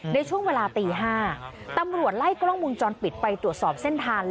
ในช่วงเวลาตี๕ตำรวจไล่กล้องมุมจรปิดไปตรวจสอบเส้นทาง